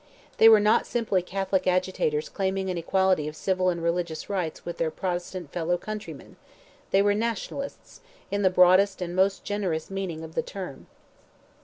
They were not simply Catholic agitators claiming an equality of civil and religious rights with their Protestant fellow countrymen; they were nationalists, in the broadest and most generous meaning of the term.